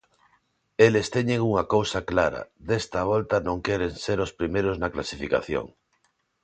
Eles teñen unha cousa clara: desta volta non queren ser os primeiros na clasificación.